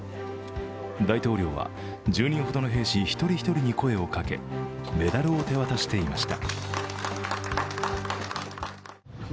大統領は１０人ほどの兵士１人１人に声をかけ、メダルを手渡していました。